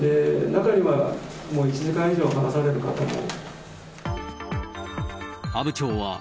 中にはもう１時間以上話される方も。